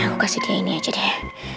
ya aku kasih dia ini aja deh